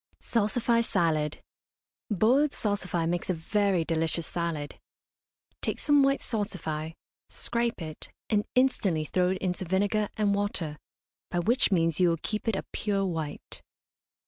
SALSIFY SALAD. Boiled salsify makes a very delicious salad. Take some white salsify, scrape it, and instantly throw it into vinegar and water, by which means you will keep it a pure white.